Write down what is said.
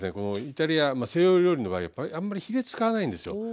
イタリア西洋料理の場合はあんまりヒレ使わないんですよ。